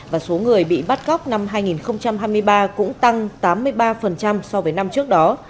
và số người bị bắt cóc năm hai nghìn hai mươi ba cũng tăng tám mươi ba so với năm trước đó